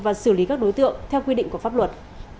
và xử lý các đối tượng theo quy định của pháp luật